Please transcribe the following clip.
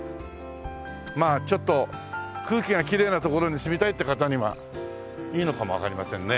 まあちょっと空気がきれいな所に住みたいって方にはいいのかもわかりませんね